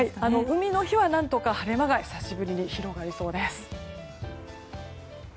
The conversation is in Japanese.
海の日は何とか晴れ間が久しぶりに広がりそうです。